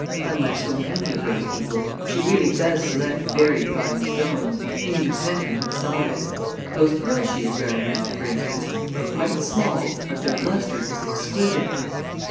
Unlike so many of those people, she really does select very fine stones, independent of size. Those pearls she is wearing now, for instance, are quite small, but their luster is exquisite.